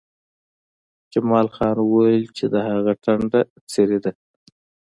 جمال خان وویل چې د هغه ټنډه څیرې ده